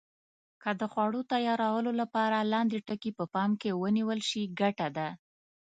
که د خوړو تیارولو لپاره لاندې ټکي په پام کې ونیول شي ګټه ده.